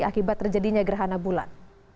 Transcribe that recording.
akibat terjadinya gerhana bulan